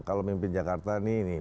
kalau mimpin jakarta nih